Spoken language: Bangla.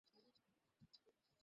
সামনে গিয়ে, বাঁয়ে।